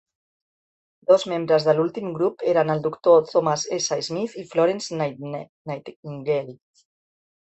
Dos membres de l'últim grup eren el doctor Thomas S. Smith i Florence Nightingale.